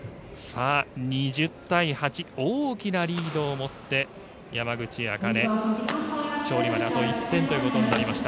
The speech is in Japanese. ２０対８大きなリードを持って山口茜勝利まであと１点ということになりました。